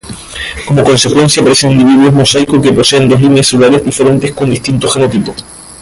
Como consecuencia aparecen individuos mosaico que poseen dos líneas celulares diferentes con distinto genotipo.